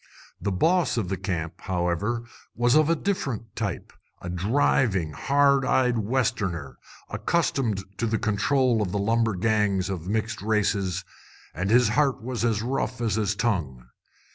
The "boss" of the camp, however, was of a different type a driving, hard eyed Westerner, accustomed to the control of lumber gangs of mixed races, and his heart was as rough as his tongue.